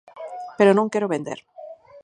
Pero non quero vender.